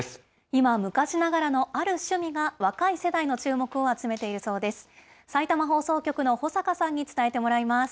今、昔ながらのある趣味が、若い世代の注目を集めているそうです。